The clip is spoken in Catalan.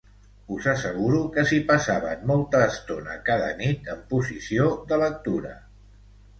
Us asseguro que s'hi passaven molta estona cada nit, en posició de lectura.